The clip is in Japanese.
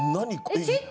えっ？